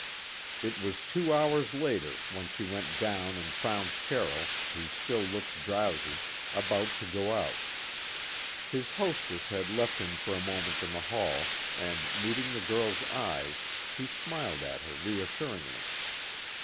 It was two hours later when she went down and found Carroll, who still looked drowsy, about to go out. His hostess had left him for a moment in the hall, and meeting the girl's eyes, he smiled at her reassuringly.